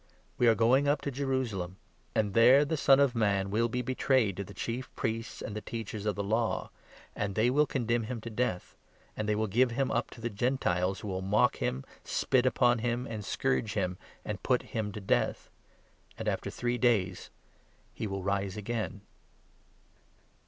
" We are going up to Jerusalem ; and 33 there the Son of Man will be betrayed to the Chief Priests and the Teachers of the Law, and they will condemn him to death, and they will give him up to the Gentiles, who will mock him, 34 spit upon him, and scourge him, and put him to death ; and after three days he will rise again."